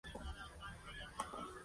Museo de Arte Moderno de Medellín.